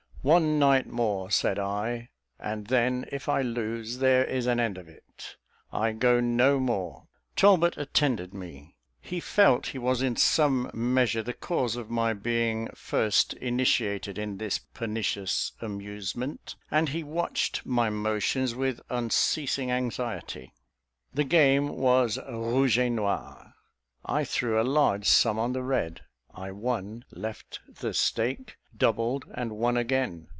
"One night more," said I, "and then, if I lose, there is an end of it; I go no more." Talbot attended me: he felt he was in some measure the cause of my being first initiated in this pernicious amusement: and he watched my motions with unceasing anxiety. The game was rouge et noir. I threw a large sum on the red. I won, left the stake, doubled, and won again.